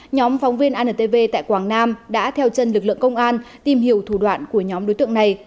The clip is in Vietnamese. nhóm phóng viên antv tại quảng nam đã theo chân lực lượng công an tìm hiểu thủ đoạn của nhóm đối tượng này